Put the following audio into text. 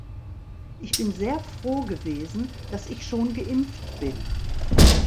Ich bin sehr froh gewesen, dass ich schon geimpft bin.